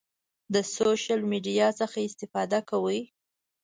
د سوشل میډیا څخه استفاده کوئ؟